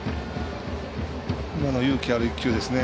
今のは勇気ある１球ですね。